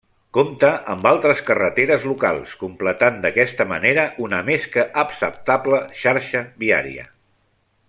Compta amb altres carreteres locals, completant d'aquesta manera una més que acceptable xarxa viària.